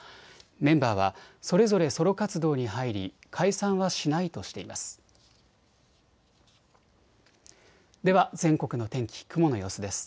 メンバーはそれぞれソロ活動に入り、解散はしないとしています。